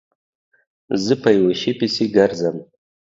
زه په یوه شي پسې گرځم